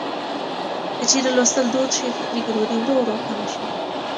که چېرې لوستل دود شي، فکري ګډوډي ورو ورو کمه شي.